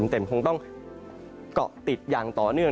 แต่คงต้องเกาะติดอย่างต่อเนื่อง